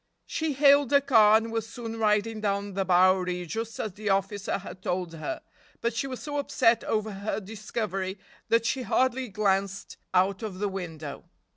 She hailed a car and was soon riding down the Bowery just as the officer had told her, but she was so upset over her discovery that she hardly glanced out of the window.